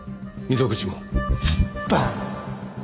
溝口も？